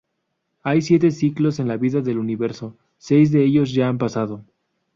Hay siete ciclos en la vida del universo, seis de ellos ya han pasado.